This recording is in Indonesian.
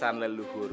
lalu kle darn